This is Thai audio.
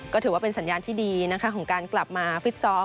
ก็ถือว่าเป็นสัญญาณที่ดีนะคะของการกลับมาฟิตซ้อม